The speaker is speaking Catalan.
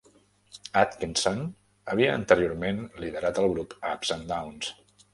Atkinson havia anteriorment liderat el grup Ups and Downs.